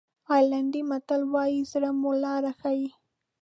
آیرلېنډي متل وایي زړه مو لاره ښیي.